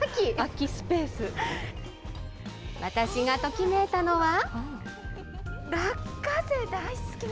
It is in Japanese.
私がときめいたのは。